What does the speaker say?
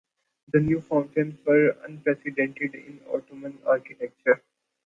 The new fountains were unprecedented in Ottoman architecture.